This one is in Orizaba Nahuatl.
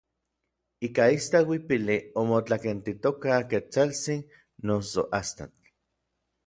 Ika istak uipili omotlakentitoka Ketsaltsin noso Astatl.